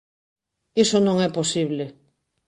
Iso non é posible.